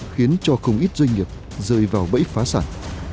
khiến cho không ít doanh nghiệp rơi vào bẫy phá sản